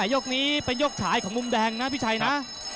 ยกนี้เป็นยกฉายของมุมแดงนะพี่ชัยนะ